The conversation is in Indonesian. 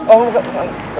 oh engga engga